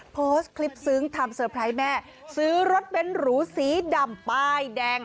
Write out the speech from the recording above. โพสต์คลิปซึ้งทำเซอร์ไพรส์แม่ซื้อรถเบ้นหรูสีดำป้ายแดง